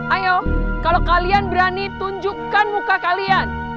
ayo kalau kalian berani tunjukkan muka kalian